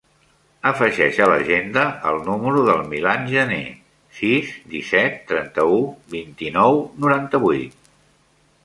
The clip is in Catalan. Afegeix a l'agenda el número del Milan Janer: sis, disset, trenta-u, vint-i-nou, noranta-vuit.